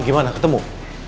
kita bahkan ohan dulu ya